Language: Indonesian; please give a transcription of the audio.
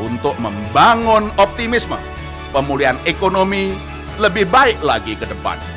untuk membangun optimisme pemulihan ekonomi lebih baik lagi ke depan